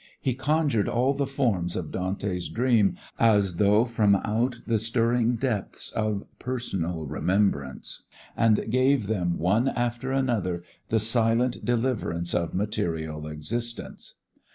He conjured all the forms of Dante's dream as though from out the stirring depths of personal remembrance and gave them one after another the silent deliverance of material existence.